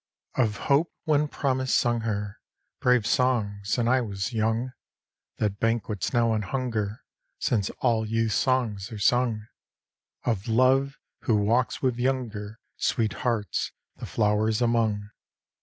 Of Hope, when promise sung her Brave songs, and I was young, That banquets now on hunger Since all youth's songs are sung; Of Love, who walks with younger Sweethearts the flowers among.